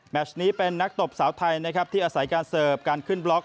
ชนี้เป็นนักตบสาวไทยนะครับที่อาศัยการเสิร์ฟการขึ้นบล็อก